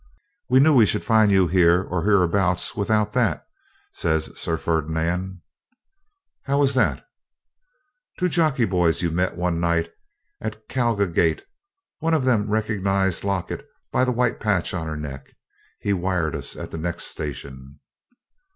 'We knew we should find you here or hereabouts without that,' says Sir Ferdinand. 'How was that?' 'Two jockey boys met you one night at Calga gate; one of them recognised Locket by the white patch on her neck. He wired to us at the next station.'